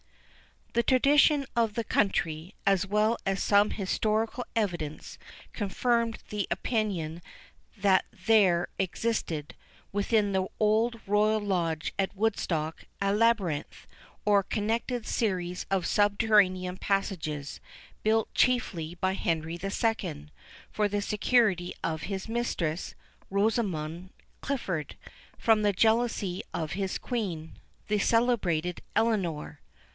The tradition of the country, as well as some historical evidence, confirmed the opinion that there existed, within the old Royal Lodge at Woodstock, a labyrinth, or connected series of subterranean passages, built chiefly by Henry II., for the security of his mistress, Rosamond Clifford, from the jealousy of his Queen, the celebrated Eleanor.